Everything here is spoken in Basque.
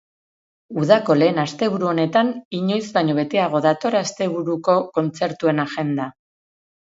Udako lehen asteburu honetan, inoiz baino beteago dator asteburuko kontzertuen agenda.